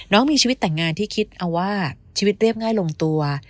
น้องมีชีวิตแต่งงานที่คิดเอาว่าชีวิตเรียบง่ายลงตัว